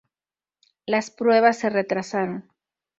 Las pruebas se retrasaron.